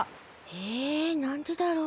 えなんでだろう？